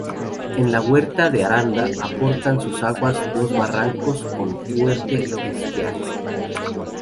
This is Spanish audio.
En la huerta de Aranda aportan sus aguas dos barrancos con fuerte estiaje.